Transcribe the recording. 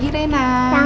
teng teng teng